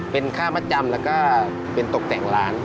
เป็นค่ามัดจำแล้วก็เป็นตกแต่งร้าน